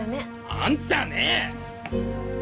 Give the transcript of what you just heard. あんたねえ！